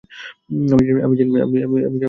আমি জানি, ক্লেয়ার।